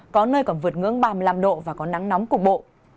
có nơi còn vượt ngưỡng ba mươi năm độ và có nắng nóng cục bộ